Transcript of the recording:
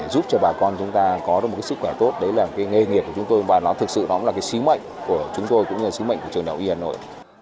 giúp cho bà con chúng ta có một sức khỏe tốt đấy là nghề nghiệp của chúng tôi và nó thực sự là sứ mệnh của chúng tôi cũng như sứ mệnh của trường đảo y hà nội